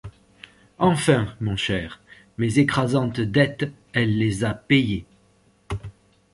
Enfin, mon cher, mes écrasantes dettes, elle les a payées.